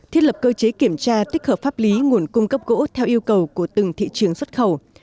thiết lập cơ chế kiểm tra tích hợp pháp lý nguồn cung cấp gỗ theo yêu cầu của từng thị trường xuất khẩu